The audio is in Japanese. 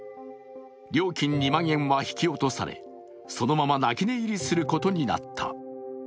料金２万円は引き落とされ、そのまま泣き寝入りすることになった。